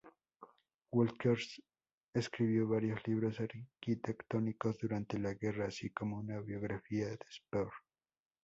Wolters escribió varios libros arquitectónicos durante la guerra, así como una biografía de Speer.